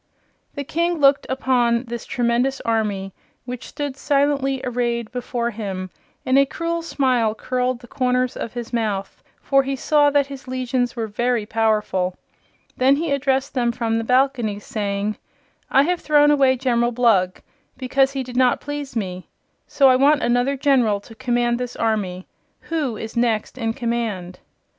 The King looked upon this tremendous army, which stood silently arrayed before him, and a cruel smile curled the corners of his mouth, for he saw that his legions were very powerful. Then he addressed them from the balcony, saying: "I have thrown away General Blug, because he did not please me. So I want another General to command this army. Who is next in command?"